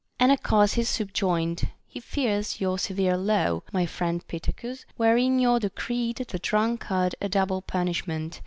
Anacharsis subjoined: He fears your severe law, my friend Pittacus, wherein you decreed the drunkard a double pun ishment.